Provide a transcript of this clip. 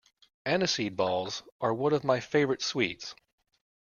Aniseed balls are one of my favourite sweets